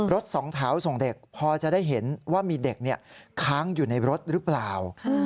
สองแถวส่งเด็กพอจะได้เห็นว่ามีเด็กค้างอยู่ในรถหรือเปล่า